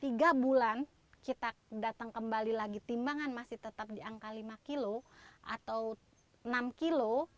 tiga bulan kita datang kembali lagi timbangan masih tetap di angka lima kilo atau enam kilo